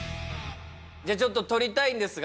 じゃあちょっと撮りたいんですが